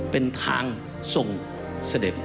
เป็นทางส่งเสด็จ